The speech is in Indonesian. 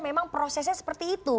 memang prosesnya seperti itu